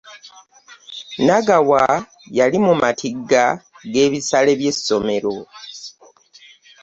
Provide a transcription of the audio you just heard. Nagawa yali mu mattiga gebisale bye ssomero.